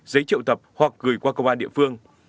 giấy triệu tập hoặc gửi qua công an địa phương